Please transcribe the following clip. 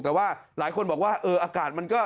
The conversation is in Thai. แต่ว่าหลายคนบอกว่าเอออากาศมันก็